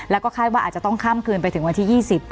แล้วก็คาดว่าอาจจะต้องข้ามคืนไปถึงวันที่๒๐